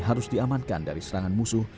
harus diamankan dari serangan musuh